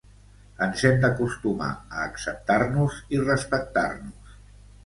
Ens hem d’acostumar a acceptar-nos i respectar-nos.